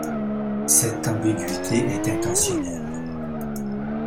Cette ambigüité est intentionnelle.